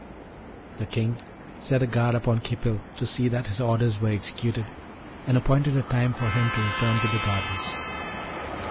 The King set a guard upon Khipil to see that his orders were executed, and appointed a time for him to return to the gardens.